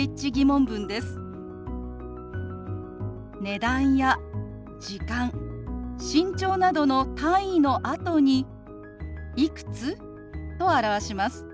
値段や時間身長などの単位のあとに「いくつ？」と表します。